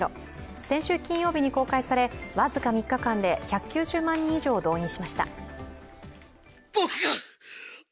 先週金曜日に公開され僅か３日間で１９０万人以上を動員しました。